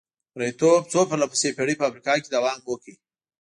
مریتوب څو پرله پسې پېړۍ په افریقا کې دوام وکړ.